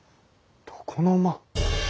床の間。